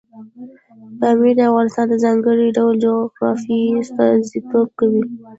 پامیر د افغانستان د ځانګړي ډول جغرافیې استازیتوب کوي.